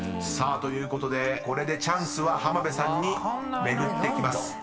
［ということでこれでチャンスは浜辺さんに巡ってきます］